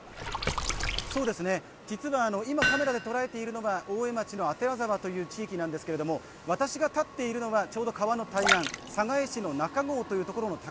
実は今、カメラで捉えているのは、大江町の左沢という地域なんですけど、私が立っているのはちょうど川の対岸、寒河江市中郷です。